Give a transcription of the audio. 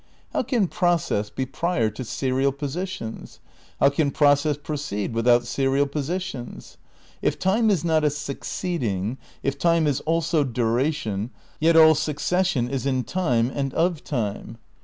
How can process be prior to serial positions? How can process proceed without serial positions? If time is not a succeeding, if time is also duration, yet all suc cession is in time and of time.